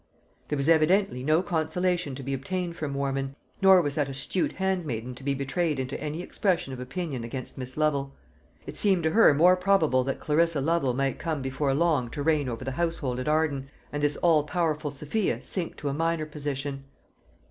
There was evidently no consolation to be obtained from Warman, nor was that astute handmaiden to be betrayed into any expression of opinion against Miss Lovel. It seemed to her more than probable that Clarissa Lovel might come before long to reign over the household at Arden, and this all powerful Sophia sink to a minor position.